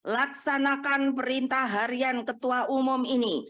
laksanakan perintah harian ketua umum ini